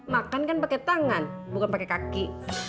makan kan pake tangan bukan pake kaki